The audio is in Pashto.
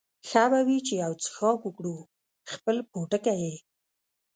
ښه به وي چې یو څښاک وکړو، خپل پوټکی یې.